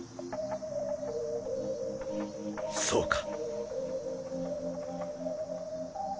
そうか。